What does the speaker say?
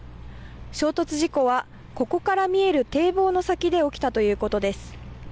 衝突事故はここから見える堤防の先で起きたということです。